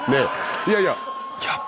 いやいや。